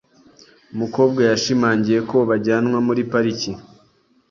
Umukobwa yashimangiye ko bajyanwa muri pariki.